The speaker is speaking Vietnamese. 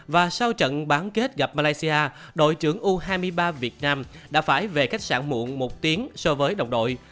và sau trận bán kết gặp malaysia đội trưởng u hai mươi ba việt nam đã phải về khách sạn muộn một tiếng so với đồng đội